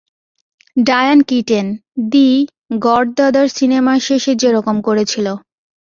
ডায়ান Keaton, the Godfather সিনেমার শেষে যেরকম করেছিলো।